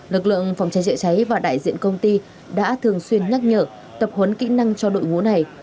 lực lượng phòng cháy chữa cháy và đại diện công ty đã thường xuyên nhắc nhở tập huấn kỹ năng cho đội ngũ này